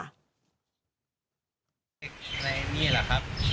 อันนี้เหรอครับ